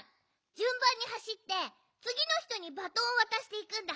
じゅんばんにはしってつぎのひとにバトンをわたしていくんだ。